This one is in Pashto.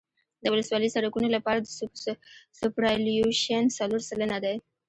د ولسوالي سرکونو لپاره سوپرایلیویشن څلور سلنه دی